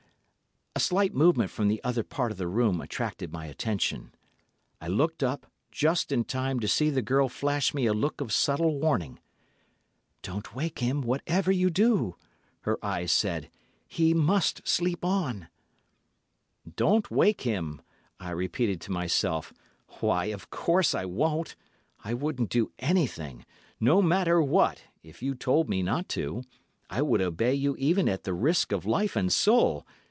A slight movement from the other part of the room attracting my attention, I looked up, just in time to see the girl flash me a look of subtle warning. "'Don't wake him, whatever you do,' her eyes said; 'he must sleep on.' "'Don't wake him,' I repeated to myself; 'why, of course I won't. I wouldn't do anything—no matter what—if you told me not to; I would obey you even at the risk of life and soul!